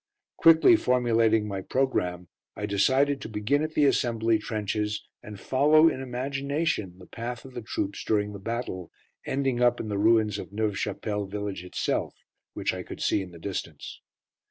Quickly formulating my programme, I decided to begin at the assembly trenches, and follow in imagination the path of the troops during the battle, ending up in the ruins of Neuve Chapelle village itself, which I could see in the distance.